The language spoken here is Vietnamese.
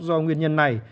do nguyên nhân này